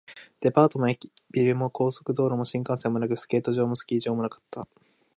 デパートも駅ビルも、高速道路も新幹線もなく、スケート場もスキー場もなかった